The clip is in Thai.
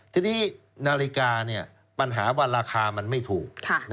ทีนี้นาฬิกาปัญหาว่าราคามันไม่ถูก